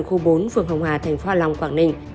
khu bốn phường hồng hà thành phố long quảng ninh